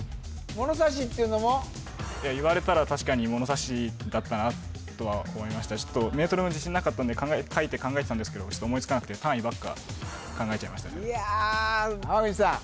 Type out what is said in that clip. ものさしっていうのも言われたら確かにものさしだったなとは思いましたメートルも自信なかったんで書いて考えてたんですけど思いつかなくて単位ばっか考えちゃいましたいや口さん